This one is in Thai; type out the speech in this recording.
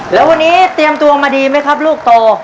แล้ววันนี้เตรียมตัวมาดีไหมครับลูกโต